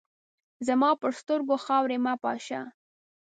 زما پر سترګو خاوري مه پاشه !